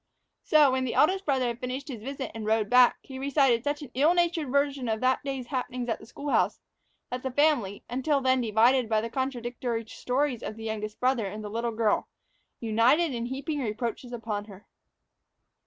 So, when the eldest brother had finished his visit and rowed back, he recited such an ill natured version of that day's happenings at the school house, that the family, until then divided by the contradictory stories of the youngest brother and the little girl, united in heaping reproaches upon her.